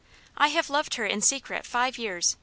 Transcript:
I have loved her in secret five years.